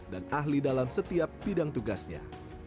dan ahli dalam setiap bidang tugasnya